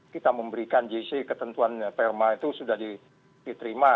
kita memberikan jc ketentuan perma itu sudah diterima